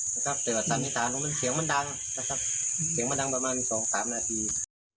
แต่ว่าสันนิษฐานว่ามันเสียงมันดังนะครับเสียงมันดังประมาณสองสามนาที